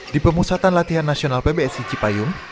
di pemusatan latihan nasional pbsi cipayung